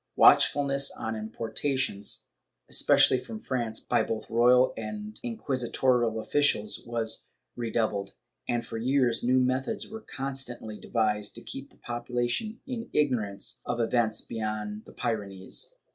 ^ Watchfulness on importations, especially from France, by both royal and inquisitorial officials, was redoub led, and for years new methods were constantly devised to keep the population in ignorance of events beyond the Pyrenees.